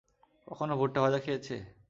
কখনও ভুট্টা ভাজা খেয়েছে?